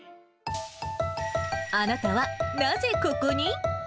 あなたはなぜここに？